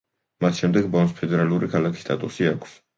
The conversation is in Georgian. მას შემდეგ ბონს ფედერალური ქალაქის სტატუსი აქვს.